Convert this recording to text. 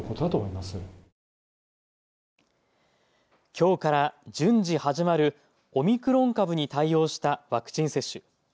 きょうから順次始まるオミクロン株に対応したワクチン接種。